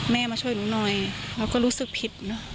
มาช่วยหนูหน่อยเราก็รู้สึกผิดเนอะ